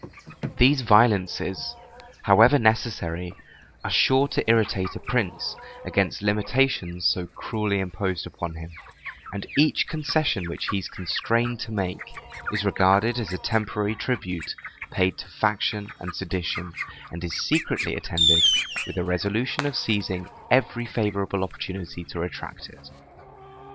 These violences, however necessary, are sure to irritate a prince against limitations so cruelly imposed upon him; and each concession which he is constrained to make, is regarded as a temporary tribute paid to faction and sedition, and is secretly attended with a resolution of seizing every favorable opportunity to retract it.